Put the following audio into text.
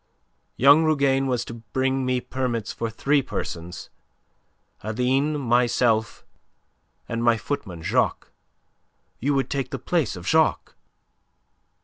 "Young Rougane was to bring me permits for three persons Aline, myself, and my footman, Jacques. You would take the place of Jacques."